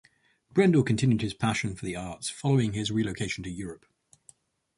Brendle continued his passion for the arts following his relocation to Europe.